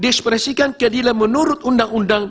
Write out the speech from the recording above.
diskresikan keadilan menurut undang undang